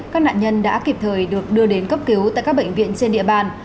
các nạn nhân đã kịp thời được đưa đến cấp cứu tại các bệnh viện trên địa bàn